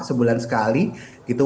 sebulan sekali gitu